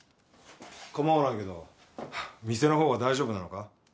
構わないけど店のほうは大丈夫なのか？